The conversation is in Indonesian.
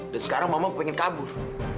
dan sekarang mama pengen kabur